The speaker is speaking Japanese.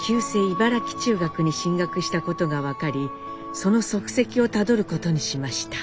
茨城中学に進学したことが分かりその足跡をたどることにしました。